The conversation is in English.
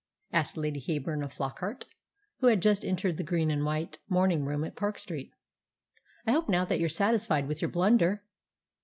asked Lady Heyburn of Flockart, who had just entered the green and white morning room at Park Street. "I hope now that you're satisfied with your blunder!"